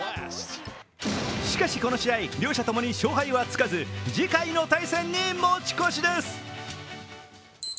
しかしこの試合両者ともに勝敗はつかず次回の対戦に持ち越しです。